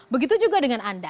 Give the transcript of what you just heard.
begitu juga dengan anda